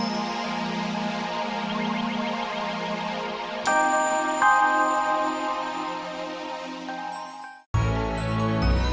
sampai jumpa lagi